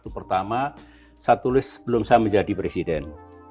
pertama saya tulis sebelum saya menjadi presiden